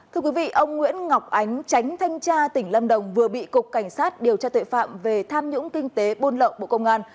thưa quý vị ông nguyễn ngọc ánh tránh thanh tra tỉnh lâm đồng vừa bị cục cảnh sát điều tra tội phạm về tham nhũng kinh tế buôn lậu bộ công an